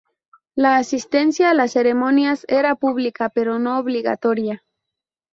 La asistencia a las ceremonias era pública pero no obligatoria.